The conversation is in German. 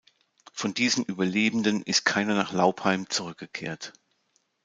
Von diesen Überlebenden ist keiner nach Laupheim zurückgekehrt.